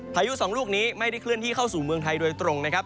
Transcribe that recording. พายุสองลูกนี้ไม่ได้เคลื่อนที่เข้าสู่เมืองไทยโดยตรงนะครับ